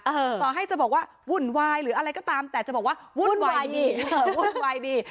ต่อให้จะบอกว่าวุ่นวายหรืออะไรก็ตามแต่จะบอกว่าวุ่นวายดีวุ่นวายดี